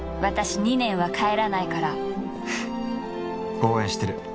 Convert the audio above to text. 応援してる。